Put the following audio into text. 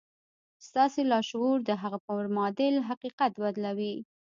ستاسې لاشعور د هغه پر معادل حقيقت بدلوي.